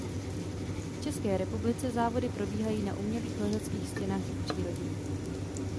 V České republice závody probíhají na umělých lezeckých stěnách i v přírodě.